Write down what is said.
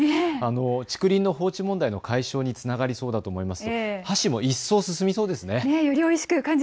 竹林の放置問題の解消につながりそうだと思うと箸も一層進みそうですね。